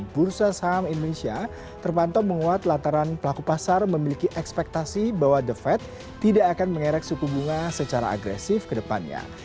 bursa saham indonesia terpantau menguat lataran pelaku pasar memiliki ekspektasi bahwa the fed tidak akan mengerek suku bunga secara agresif ke depannya